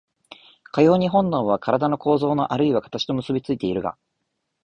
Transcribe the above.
かように本能は身体の構造あるいは形と結び付いているが、